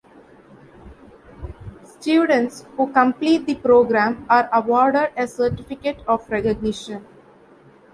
Students who complete the program are awarded a certificate of recognition.